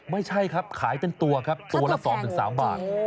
ไม่ใช่ครับขายเป็นตัวครับตัวละ๒๓บาท